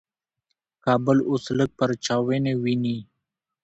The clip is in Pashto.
کابل اوس لږ پرچاویني ویني.